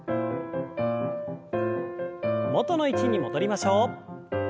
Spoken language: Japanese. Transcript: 元の位置に戻りましょう。